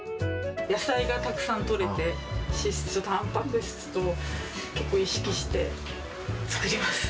野菜がたくさんとれて、脂質、たんぱく質と、結構、意識して作ります。